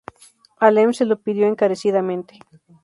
Alem se lo pidió encarecidamente.